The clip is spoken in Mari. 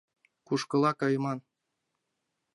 Кушкыла кайыман?